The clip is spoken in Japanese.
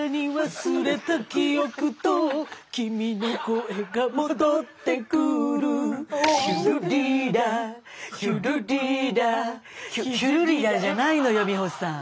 「忘れた記憶と君の声が戻ってくる」「ヒュルリーラヒュルリーラ」ヒュルリラじゃないのよ美穂さん。